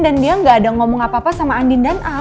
dan dia gak ada ngomong apa apa sama andin dan al